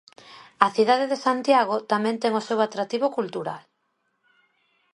A cidade de Santiago tamén ten o seu atractivo cultural.